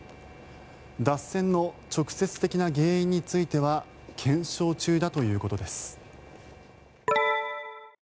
脱線の直接的な原因については検証中だということです。